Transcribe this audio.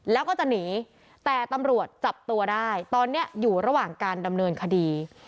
แล้วก็จะหนีแต่ตำรวจจับตัวได้ตอนนี้อยู่ระหว่างการดำเนินคดี